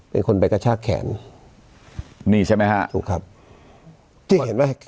เป็นคนไปกระชากแขนนี่ใช่ไหมฮะถูกครับที่เห็นไหม